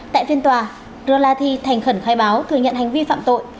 tại phiên tòa rolati thành khẩn khai báo thừa nhận hành vi phạm tội